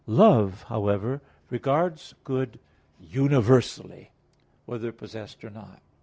Love, however, regards good universally, whether possessed or not.